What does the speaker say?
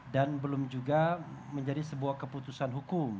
dan belum juga menjadi sebuah keputusan hukum